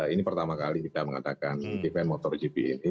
ini pertama kali kita mengadakan event motogp ini